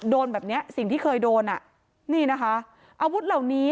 โดนแบบเนี้ยสิ่งที่เคยโดนอ่ะนี่นะคะอาวุธเหล่านี้